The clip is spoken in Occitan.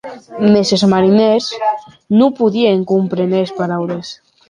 Mès es marinèrs non podien compréner es paraules.